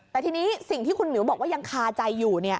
แต่ทีนี้สิ่งที่คุณหมิวบอกว่ายังคาใจอยู่